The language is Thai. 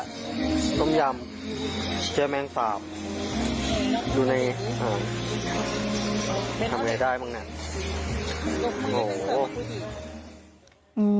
แล้วต้มยำเจอแม่งสาปดูนะเนี่ยทำไงได้บ้างเนี่ย